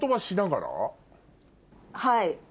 はい。